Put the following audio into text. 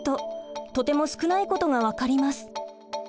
とても少ないことが分かります。